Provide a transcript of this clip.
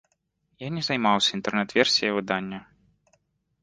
Я не займаўся інтэрнэт-версіяй выдання.